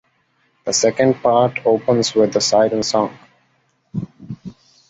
The second part opens with the "Siren Song".